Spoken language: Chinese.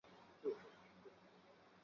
冯熙和博陵长公主的儿子。